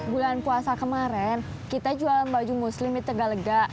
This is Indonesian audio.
bulan puasa kemarin kita jualan baju muslim di tegalega